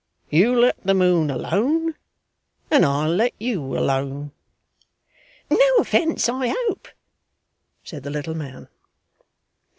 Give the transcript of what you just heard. You let the moon alone, and I'll let you alone.' 'No offence I hope?' said the little man.